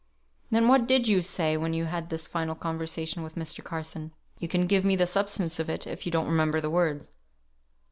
"Then what did you say when you had this final conversation with Mr. Carson? You can give me the substance of it, if you don't remember the words."